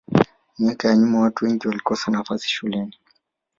miaka ya nyuma watu wengi walikosa nafasi shuleni